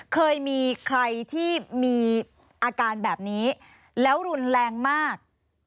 เคยมีใครที่มีอาการแบบนี้แล้วรุนแรงมาก